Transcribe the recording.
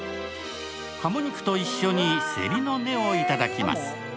かも肉と一緒にせりの根をいただきます。